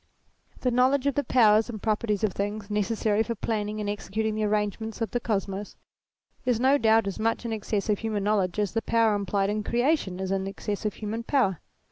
The knowledge of the powers and properties of things necessary for planning and executing the arrangements of the Kosmos, is no doubt as much in excess of human knowledge as the power implied in creation is in excess of human power.